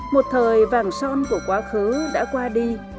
một thời vàng son của quá khứ đã qua đi